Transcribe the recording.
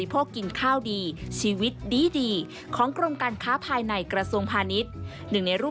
โปรดติดตามตอนต่อไป